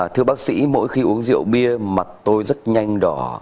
thưa bác sĩ mỗi khi uống rượu bia mặt tôi rất nhanh đỏ